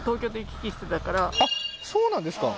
あっそうなんですか